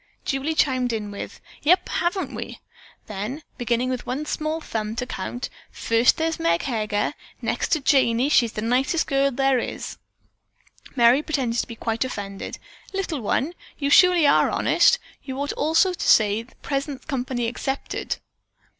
Julie chimed in with: "Yep, haven't we?" Then, beginning with one small thumb to count, "First there's Meg Heger. Next to Janey, she's the nicest girl I guess there is." Merry pretended to be quite offended. "Little one, you surely are honest. You ought always to say present company excepted."